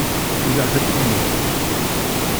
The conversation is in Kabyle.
Yella ḥedd i yemmuten?